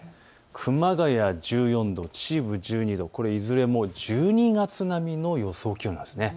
熊谷１４度、秩父１２度、これいずれも１２月並みの予想気温なんです。